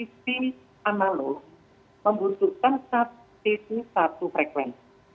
siaran tv analog membutuhkan satu frekuensi